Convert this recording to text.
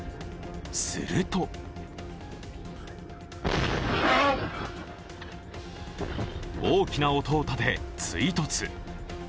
すると大きな音をたて、追突。